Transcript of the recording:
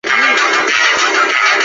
棕茅为禾本科金茅属下的一个种。